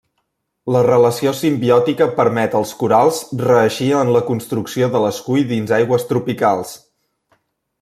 La relació simbiòtica permet als corals reeixir en la construcció de l'escull dins aigües tropicals.